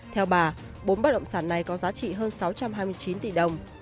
theo bà bốn bất động sản này có giá trị hơn sáu trăm hai mươi chín tỷ đồng